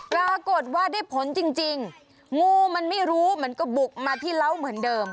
ปรากฏว่าได้ผลจริงงูมันไม่รู้มันก็บุกมาที่เล้าเหมือนเดิม